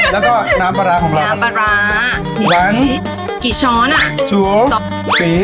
แล้วก็น้ำปลาร้าของเราครับน้ำปลาร้ากี่ช้อนอ่ะสี่